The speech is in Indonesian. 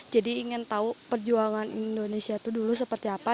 jadi ingin tahu perjuangan indonesia itu dulu seperti apa